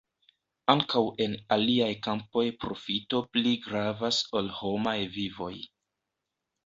Ankaŭ en aliaj kampoj profito pli gravas ol homaj vivoj.